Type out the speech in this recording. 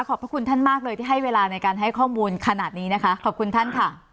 พระคุณท่านมากเลยที่ให้เวลาในการให้ข้อมูลขนาดนี้นะคะขอบคุณท่านค่ะ